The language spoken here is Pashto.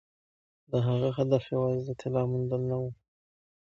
د هغه هدف یوازې د طلا موندل نه وو.